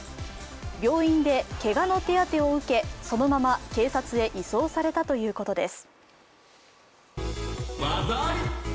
病院でけがの手当てを受けそのまま警察へ移送されたということです。